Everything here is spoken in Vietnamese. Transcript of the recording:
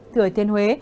thừa thiên huế